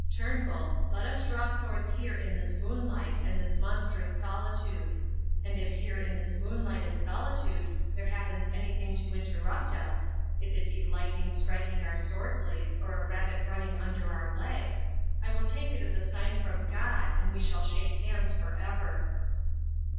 Turnbull, let us draw swords here in this moonlight and this monstrous solitude. And if here in this moonlight and solitude there happens anything to interrupt us if it be lightning striking our sword blades or a rabbit running under our legs I will take it as a sign from God and we will shake hands for ever."